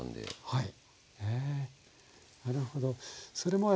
はい。